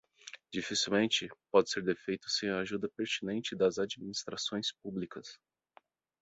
Dificilmente pode ser feito sem a ajuda pertinente das administrações públicas.